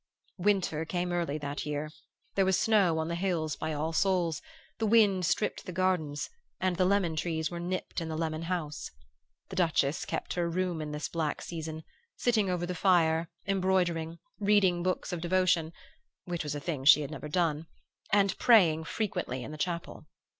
"Winter came early that year, there was snow on the hills by All Souls, the wind stripped the gardens, and the lemon trees were nipped in the lemon house. The Duchess kept her room in this black season, sitting over the fire, embroidering, reading books of devotion (which was a thing she had never done) and praying frequently in the chapel.